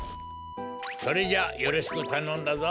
それじゃあよろしくたのんだぞ。